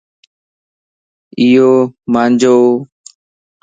ايو مانجوَ